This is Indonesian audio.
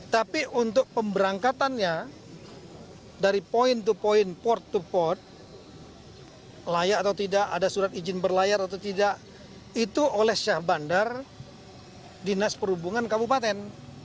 tapi untuk pemberangkatannya dari point to point port to port layak atau tidak ada surat izin berlayar atau tidak itu oleh syah bandar dinas perhubungan kabupaten